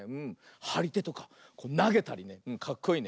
はりてとかなげたりねかっこいいね。